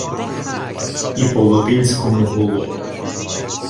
І по-латинському гуло.